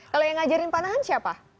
kalau yang ngajarin panahan siapa